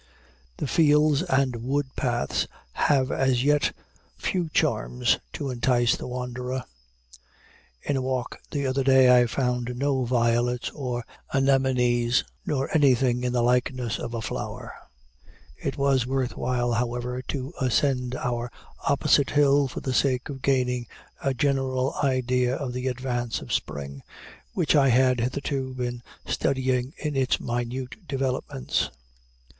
The fields and wood paths have as yet few charms to entice the wanderer. In a walk the other day I found no violets nor anemones, nor anything in the likeness of a flower. It was worth while, however, to ascend our opposite hill for the sake of gaining a general idea of the advance of spring, which I had hitherto been studying in its minute developments.